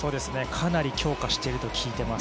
かなり強化していると聞いています。